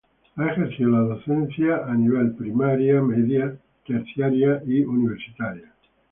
Ha ejercido la docencia a nivel primario, medio, terciario y universitario.